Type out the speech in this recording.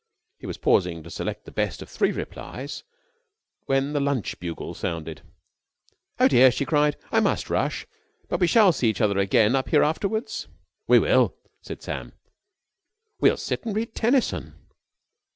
He was pausing to select the best of three replies when the lunch bugle sounded. "Oh, dear!" she cried. "I must rush. But we shall see one another again up here afterwards?" "We will," said Sam. "We'll sit and read Tennyson."